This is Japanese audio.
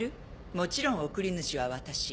もちろん送り主は私。